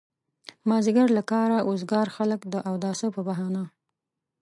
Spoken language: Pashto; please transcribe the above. مازيګر له کاره وزګار خلک د اوداسه په بهانه.